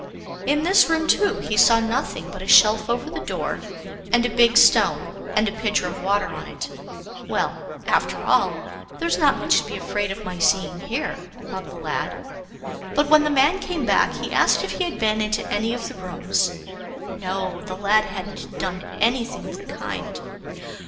In this room, too, he saw nothing but a shelf over the door, and a big stone, and a pitcher of water on it. Well, after all, there's not much to be afraid of my seeing here, thought the lad. But when the man came back, he asked if he had been into any of the rooms. No, the lad hadn't done anything of the kind.